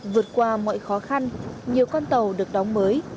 vượt qua mọi khó khăn nhiều con tàu được đóng mới